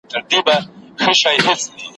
شپانه مو مړ دی د سهار غر مو شپېلۍ نه لري `